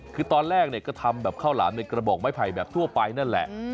คือตอนแรกก็ทำแบบข้าวหลามในกระบอกไม้ไผ่แบบทั่วไปนั่นแหละ